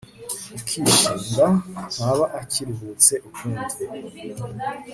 ukishinga, ntaba akiruhutse ukundi